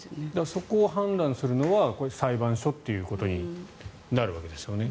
そこを判断するのは裁判所ということになるんですよね。